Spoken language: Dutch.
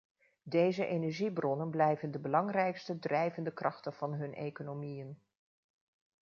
Deze energiebronnen blijven de belangrijkste drijvende krachten van hun economieën.